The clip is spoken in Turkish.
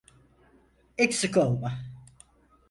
Eksik olma.